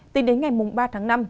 tính đến ngày ba tháng năm